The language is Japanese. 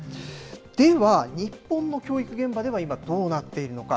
では、日本の教育現場では、今どうなっているのか。